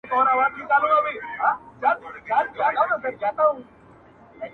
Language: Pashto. په دې عواملو کي یو هم نه وي -